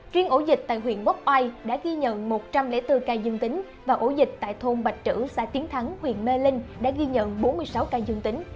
riêng ổ dịch tại huyện quốc oai đã ghi nhận một trăm linh bốn ca dương tính và ổ dịch tại thôn bạch trữ xã tiến thắng huyện mê linh đã ghi nhận bốn mươi sáu ca dương tính